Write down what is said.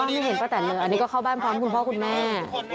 อันนี้เข้าบ้านพร้อมคุณพ่อคุณแม่